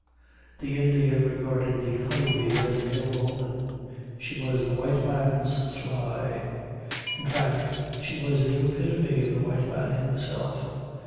The Indian regarded the honey bee as an ill omen. She was the white man's fly. In fact she was the epitome of the white man himself.